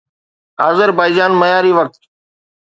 Azerbaijan معياري وقت